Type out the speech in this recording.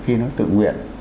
khi nó tự nguyện